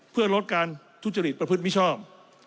เพื่อลดการทุจริตประพฤติมิชชอบ